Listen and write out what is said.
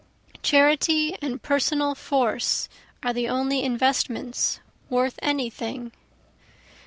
Charity and personal force are the only investments worth any thing.